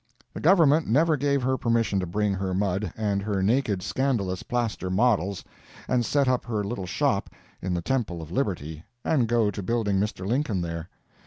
The Government never gave her permission to bring her mud, and her naked, scandalous plaster models, and set up her little shop in the Temple of Liberty, and go to building Mr. Lincoln there.